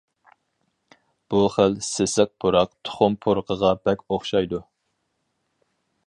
بۇ خىل سېسىق پۇراق تۇخۇم پۇرىقىغا بەك ئوخشايدۇ.